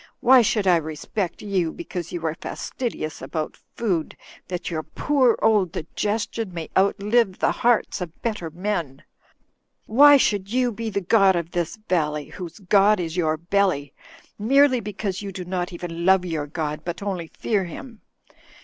Why should I respect you because you are fastidious about food, that your poor old digestion may outlive the hearts of better men? Why should you be the god of this valley, whose god is )rour belly, merely because you do not even love your god, but only fear him?